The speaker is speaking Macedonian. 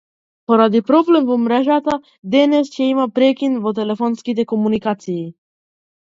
Поради проблем во мрежата, денес ќе има прекин во телефонските комуникации.